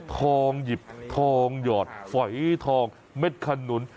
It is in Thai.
ทองหยิบทองหยอดฝอยทองเม็ดขนุน